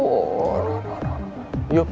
tidak tidak tidak